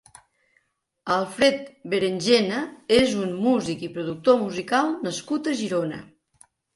Alfred Berengena és un music i productor musical nascut a Girona.